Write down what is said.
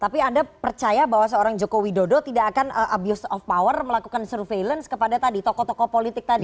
tapi anda percaya bahwa seorang joko widodo tidak akan abuse of power melakukan surveillance kepada tadi tokoh tokoh politik tadi